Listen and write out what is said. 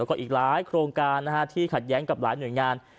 แล้วก็อีกหลายโครงการที่ขัดแย้งกับหลายหน่วยงาน